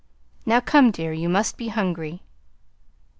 Now come, dear, you must be hungry."